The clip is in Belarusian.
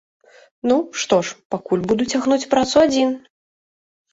Ну, што ж, пакуль буду цягнуць працу адзін!